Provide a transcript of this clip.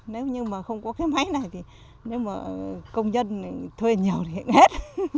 nếu như mà không có cái máy này thì nếu mà công nhân thuê nhiều thì hết